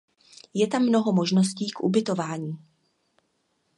Je tam mnoho možností k ubytování.